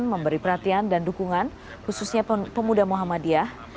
memberi perhatian dan dukungan khususnya pemuda muhammadiyah